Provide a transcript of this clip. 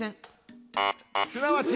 すなわち？